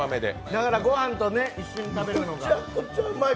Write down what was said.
だからご飯と一緒に食べるのがいい。